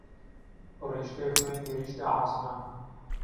پڕیشکەی خوێن گهیشته عاسمان